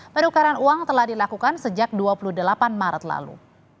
penukaran uang telah dilakukan sejak dua puluh delapan maret lalu